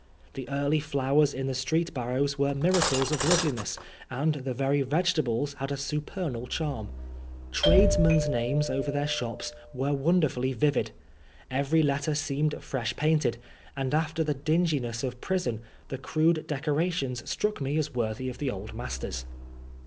The early flowers in the street barrows were miracles of loveliness, and the very vegetables had a supernal charm. Tradesmen's names over their shops were wonderfully vivid. Every letter seemed fresh painted, and after the dinginess of prison, the crude decorations struck me as worthy of the old masters.